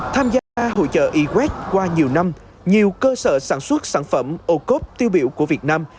tham gia hội trợ iret qua nhiều năm nhiều cơ sở sản xuất sản phẩm ô cốp tiêu biểu của việt nam